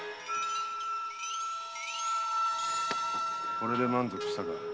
これで満足したか？